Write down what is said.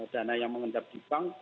dana yang menghentap duit bank